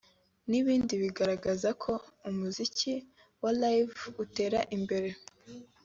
n'ibindi bigaragaza ko umuziki wa Live utera imbere